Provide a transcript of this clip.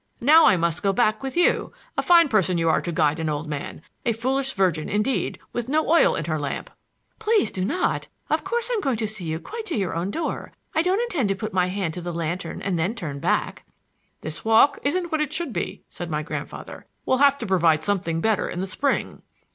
"Now I must go back with you! A fine person you are to guide an old man! A foolish virgin, indeed, with no oil in her lamp!" "Please do not! Of course I'm going to see you quite to your own door! I don't intend to put my hand to the lantern and then turn back!" "This walk isn't what it should be," said my grandfather, "we'll have to provide something better in the spring."